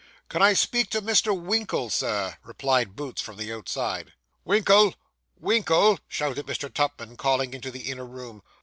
'Can I speak to Mr. Winkle, sir?' replied Boots from the outside. 'Winkle Winkle!' shouted Mr. Tupman, calling into the inner room.